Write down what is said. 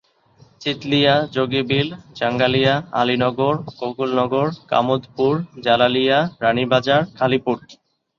চিতলীয়া, Jogibil, Jangalia, Alinagar, Gokulnagar, কামুদপুর, Jalalia, Ranibazar, Kalipur.